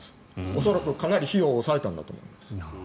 恐らくかなり費用を抑えたんだと思います。